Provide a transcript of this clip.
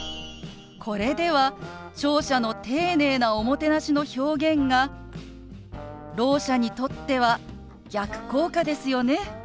これでは聴者の丁寧なおもてなしの表現がろう者にとっては逆効果ですよね。